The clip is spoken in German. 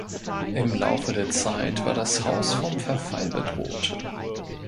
Im Laufe der Zeit war das Haus vom Verfall bedroht.